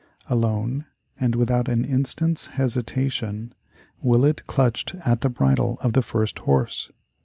Alone, and without an instant's hesitation, Willett clutched at the bridle of the first horse.